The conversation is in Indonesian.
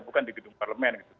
bukan di gedung parlemen